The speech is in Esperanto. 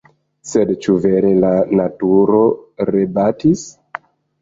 Sed ĉu vere la naturo rebatis?